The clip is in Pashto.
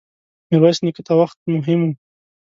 ميرويس نيکه ته وخت مهم و.